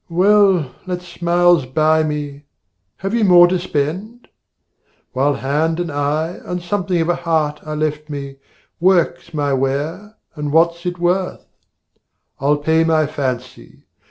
Well, let smiles buy me! have you more to spend? While hand and eye and something of a heart Are left me, work's my ware, and what's it worth? I'll pay my fancy.